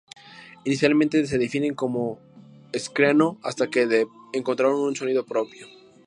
Inicialmente se definen como screamo hasta que encontraron un sonido propio.